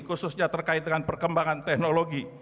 khususnya terkait dengan perkembangan teknologi